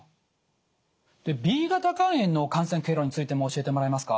Ｂ型肝炎の感染経路についても教えてもらえますか？